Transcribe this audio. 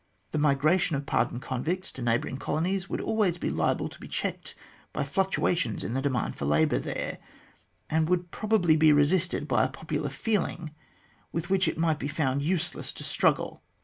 The migration of pardoned convicts to neighbouring colonies would always be liable to be checked by fluctuations in the demand for labour there, and would probably be resisted by a popular feeling with which it might be found useless to struggle.